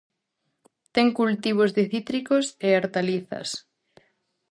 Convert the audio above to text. Ten cultivos de cítricos e hortalizas.